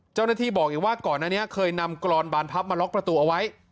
เจ้าหน้าที่บอกอีกว่าก่อนอันนี้เคยนำกรอนบานพับมาล็อกประตูเอาไว้